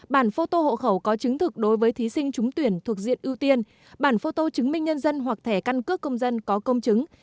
bản phô tô hộ khẩu có chứng thực đối với thí sinh trúng tuyển thuộc diện ưu tiên bản phô tô chứng minh nhân dân hoặc thẻ căn cước công dân có công chứng